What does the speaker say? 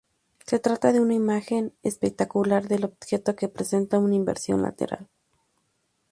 Se trata de una "imagen especular" del objeto, que presenta una inversión lateral.